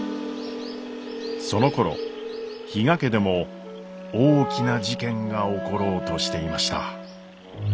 そのころ比嘉家でも大きな事件が起ころうとしていました。